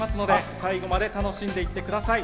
最後まで楽しんでいってください。